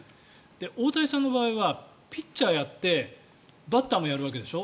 大谷さんの場合はピッチャーをやってバッターもやるわけでしょ。